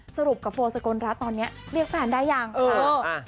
สรุปกับโฟร์สกลรัฐตอนเนี้ยเรียกฝ่านได้ยังเอออ่า